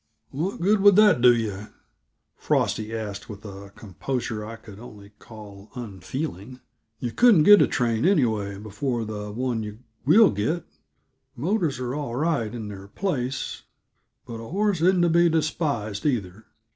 "What good would that do yuh?" Frosty asked, with a composure I could only call unfeeling. "Yuh couldn't get a train, anyway, before the one yuh will get; motors are all right, in their place but a horse isn't to be despised, either.